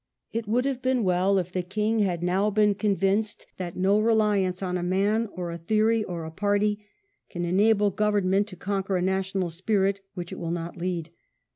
It would have been well if the king had now been convinced that no reliance on a man, or a theory, or a party can enable government to conquer a national spirit which it will not lead.